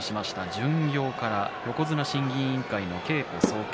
巡業から横綱審議委員会の稽古総見